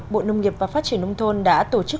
bộ nông nghiệp và phát triển nông thôn đã tổ chức